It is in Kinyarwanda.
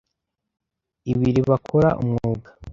ibiri bakora umwuga